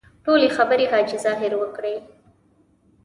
ټولې خبرې حاجي ظاهر وکړې.